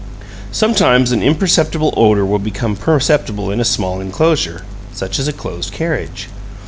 Sometimes an imperceptible odor will become perceptible in a small inclosure, such as a closed carriage.